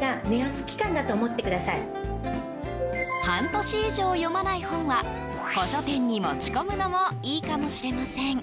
半年以上、読まない本は古書店に持ち込むのもいいかもしれません。